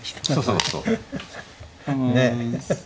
そうそうそう。